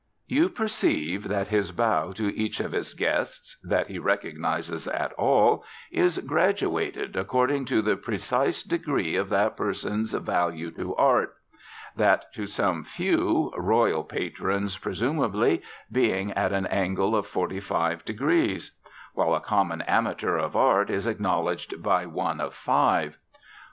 You perceive that his bow to each of his guests, that he recognises at all, is graduated according to the precise degree of that person's value to Art; that to some few, royal patrons presumably, being at an angle of forty five degrees; while a common amateur of Art is acknowledged by one of five.